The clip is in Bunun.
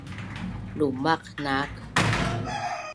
Lumaq naak